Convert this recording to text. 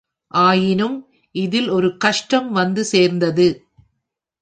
ஆயினும் இதில் ஒரு கஷ்டம் வந்து சேர்ந்தது.